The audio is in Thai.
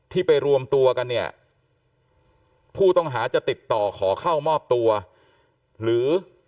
ที่ไปรวมตัวกันเนี่ยผู้ต้องหาจะติดต่อขอเข้ามอบตัวหรือ